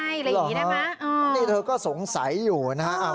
อะไรอย่างนี้ได้ไหมนี่เธอก็สงสัยอยู่นะฮะ